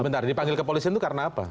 sebentar dipanggil kepolisian itu karena apa